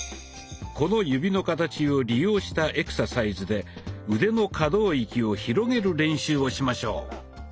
この指の形を利用したエクササイズで腕の可動域を広げる練習をしましょう。